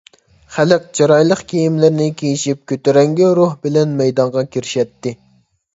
خەلق چىرايلىق كىيىملىرىنى كىيىشىپ كۆتۈرەڭگۈ روھ بىلەن مەيدانغا كىرىشەتتى.